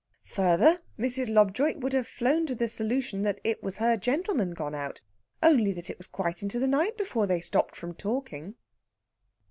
Further, Mrs. Lobjoit would have flown to the solution that it was her gentleman gone out, only that it was quite into the night before they stopped from talking.